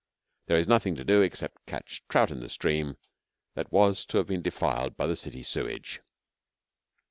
There is nothing to do except to catch trout in the stream that was to have been defiled by the city sewage.